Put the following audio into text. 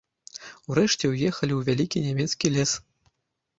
Урэшце ўехалі ў вялікі нямецкі лес.